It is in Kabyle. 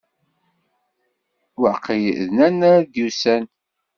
Waqil d Nanna i d-yusan.